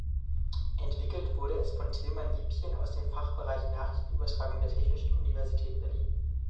Entwickelt wurde es von Tilman Liebchen aus dem Fachgebiet Nachrichtenübertragung der Technischen Universität Berlin.